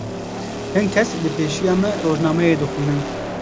Hin kes li pêşiya me rojnameyê dixwînin.